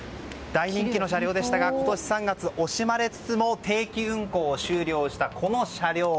大人気の車両でしたが今年３月、惜しまれつつも定期運行を終了したこの車両。